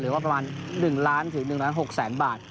หรือว่าประมาณ๑ล้านถึง๑ล้าน๖แสนบาท